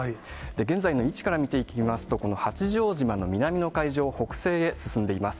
現在の位置から見ていきますと、この八丈島の南の海上を北西へ進んでいます。